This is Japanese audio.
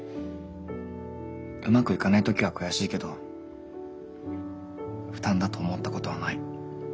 うまくいかない時は悔しいけど負担だと思ったことはない。